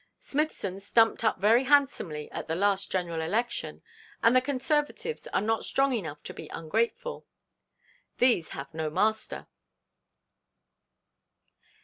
Smithson stumped up very handsomely at the last General Election, and the Conservatives are not strong enough to be ungrateful. "These have no master."'